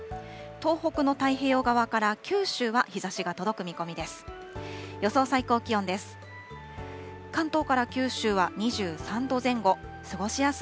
東北の太平洋側から九州は日ざしが届く見込みです。